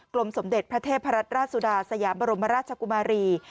ลมสมเด็จพระเทพรัตนราชสุดาสยามบรมราชกุมารี